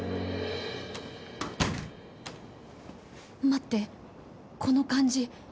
待ってこの感じ。